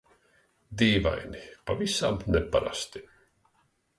Dīvaini, pavisam neparasti..